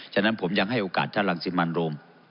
ฉะนั้นผมยังให้โอกาสท่านรังสิมันโรม